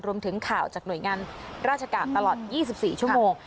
รวมถึงข่าวจากหน่วยงานราชการตลอด๒๔ชั่วโมง